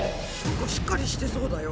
しっかりしてそうだよ。